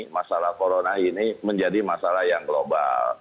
masalah corona ini menjadi masalah yang global